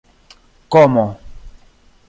komo